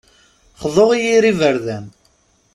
Xḍu i yir iberdan.